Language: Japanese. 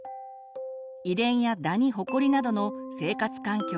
遺伝やダニホコリなどの生活環境